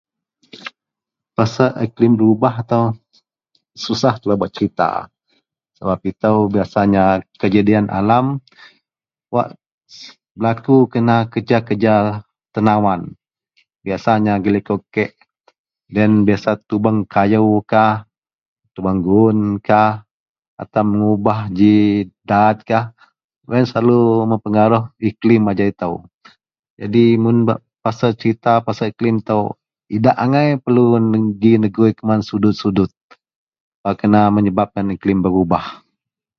Pasel iklim berubah itou susah telou bak serita sebab itou biyasanya kejadian alam wak belaku kerena kereja-kereja tenawan. Biyasanya ji likou kek, loyen biasa tubeng kayoukah, tubeng guwunkah atau mengubah ji daat kah. Wak yen selalu mempengaruhi iklim ajau itou. Jadi mun bak pasel beserita pasel iklim itou idak angai perelu ji negui kuman sudut-sudut wak kena madak iklim berubah.